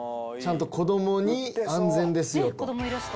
ちゃんと子どもに安全ですよと。